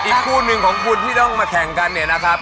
คู่หนึ่งของคุณที่ต้องมาแข่งกันเนี่ยนะครับ